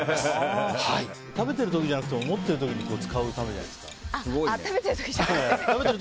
食べてる時じゃなくても持ってる時に使うためじゃないですか。